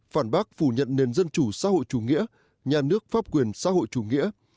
phản bác phủ nhận nền dân chủ xã hội chủ nghĩa nhà nước pháp quyền xã hội chủ nghĩa